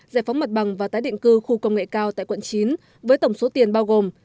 giải phóng mặt bằng và tái định cư khu công nghệ cao tại quận chín với tổng số tiền bao gồm